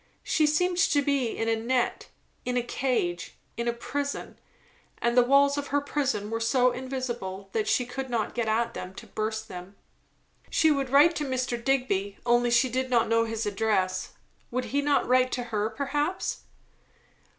She seemed to be in a net, in a cage, in a prison; and the walls of her prison were so invisible that she could not get at them to burst them. She would write to Mr. Digby, only she did not know his address. Would he not write to her, perhaps?